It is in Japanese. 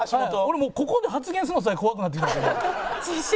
俺もうここで発言するのさえ怖くなってきました今。